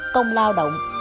công lao động